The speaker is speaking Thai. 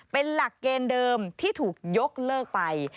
เป็นหลักเกณฑ์เดิมที่ถูกยกเลิกไป